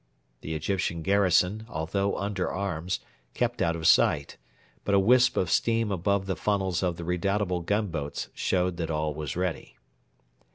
The Egyptian garrison, although under arms, kept out of sight, but a wisp of steam above the funnels of the redoubtable gunboats showed that all was ready.